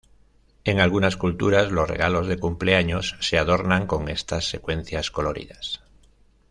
En algunas culturas los regalos del cumpleaños se adornan con estas secuencias coloridas.